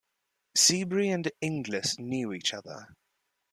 Seabury and Inglis knew each other.